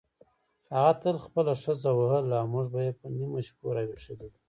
هغه تل خپله ښځه وهله او موږ به په نیمو شپو راویښېدلو.